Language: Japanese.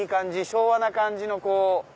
昭和な感じのこう。